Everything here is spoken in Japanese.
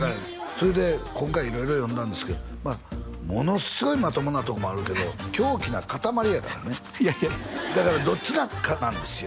それで今回色々読んだんですけどものすごいまともなところもあるけど狂気な塊やからねいやいやだからどちらかなんですよ